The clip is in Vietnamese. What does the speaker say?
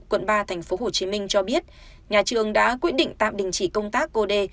quận ba tp hcm cho biết nhà trường đã quyết định tạm đình chỉ công tác cô đê